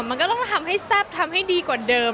มันก็ต้องทำให้แซ่บทำให้ดีกว่าเดิม